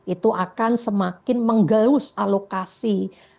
itu akan semakin menggelus alokasi